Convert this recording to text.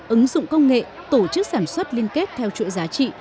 ứng dụng công nghệ tổ chức sản xuất liên kết theo chuỗi giá trị